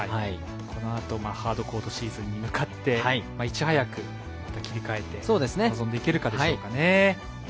このあとハードコートシーズンに向かっていち早く切り替えて臨んでいけるかでしょうかね。